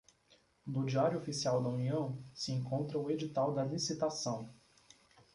No diário oficial da União, se encontra o edital da licitação